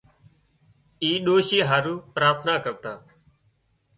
اِي ڏوشي هارو پراٿنا ڪرتان